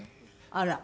あら！